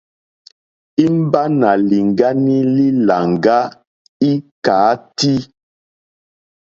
Imba nà lìŋgani li làŋga ikàati.